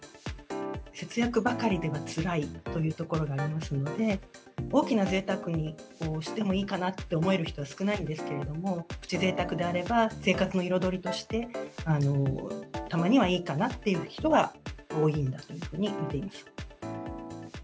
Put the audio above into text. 節約ばかりではつらいというところがありますので、大きなぜいたくをしてもいいかなと思える人は少ないんですけども、プチぜいたくであれば、生活の彩りとして、たまにはいいかなっていう人は多いんだというふうに見ています。